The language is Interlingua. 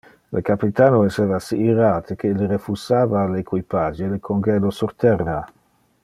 Le capitano esseva si irate que ille refusava al equipage le congedo sur terra.